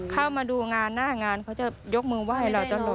เข้ามาดูงานหน้างานเขาจะยกมือไหว้เราตลอด